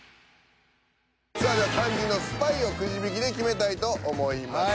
さあでは肝心のスパイをくじ引きで決めたいと思います。